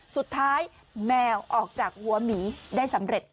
สุดท้ายแมวออกจากหัวหมีได้สำเร็จ